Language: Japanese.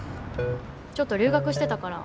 ちょっと留学してたから。